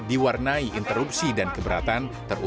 diwarnai interupsi dan keberatan